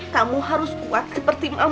kamu harus kuat seperti maaf